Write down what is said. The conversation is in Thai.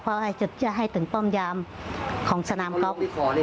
เพราะว่าจะให้ถึงป้อมยามของสนามก๊อก